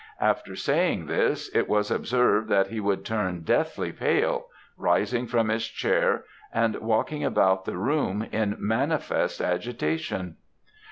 After saying this, it was observed that, he would turn deathly pale, rising from his chair, and walking about the room in manifest agitation.